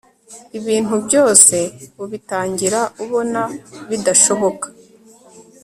Ibintu byose ubitangira ubona bidashoboka